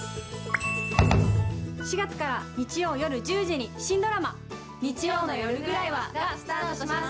４月から日曜夜１０時に新ドラマ「日曜の夜ぐらいは」がスタートします。